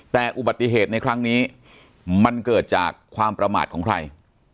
แต่อุบัติเหตุในครั้งนี้มันเกิดจากความประมาทของใคร